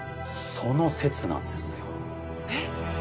その説なんですよ。えっ？